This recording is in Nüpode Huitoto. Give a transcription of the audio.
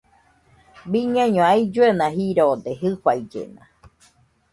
Biñaino ailluena jirode jɨfaillena